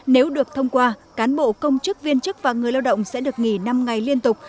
nếu được thông qua cán bộ công chức viên chức và người lao động sẽ được nghỉ năm ngày liên tục